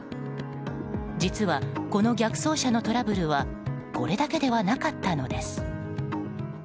実は逆走車のトラブルはこれだけではなかったのです。